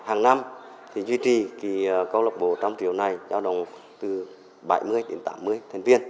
hàng năm thì duy trì câu lạc bộ một trăm linh triệu này giao đồng từ bảy mươi đến tám mươi thành viên